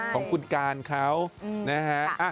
ของคุณการเขานะฮะ